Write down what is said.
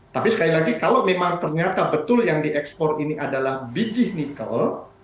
tapi sekali lagi kalau memang ternyata betul yang diekspor ini adalah biji nikel